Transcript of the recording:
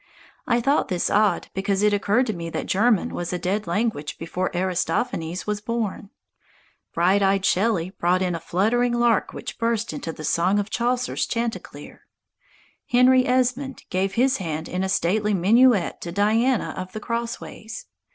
I thought this odd, because it occurred to me that German was a dead language before Aristophanes was born. Bright eyed Shelley brought in a fluttering lark which burst into the song of Chaucer's chanticleer. Henry Esmond gave his hand in a stately minuet to Diana of the Crossways.